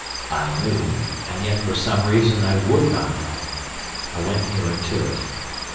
I knew, and yet for some reason I would not know. I went nearer to it.